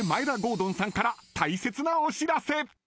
敦さんから大切なお知らせ］